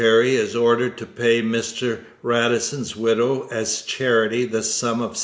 is ordered to pay Mr Radisson's widow as charity the sum of £6.'